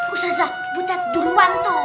ustazah buta durpanto